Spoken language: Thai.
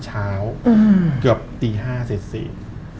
เช่าเกือบตีห้าเศษเศษ